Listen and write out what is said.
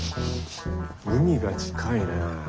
海が近いな。